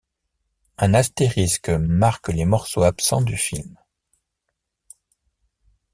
Un astérisque marque les morceaux absents du film.